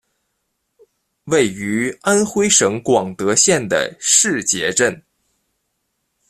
位于安徽省广德县的誓节镇。